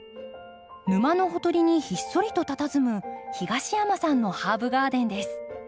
沼のほとりにひっそりとたたずむ東山さんのハーブガーデンです。